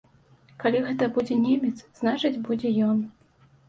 Калі гэта будзе немец, значыць, будзе ён.